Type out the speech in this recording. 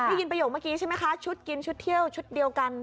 ได้ยินประโยคเมื่อกี้ใช่ไหมคะชุดกินชุดเที่ยวชุดเดียวกัน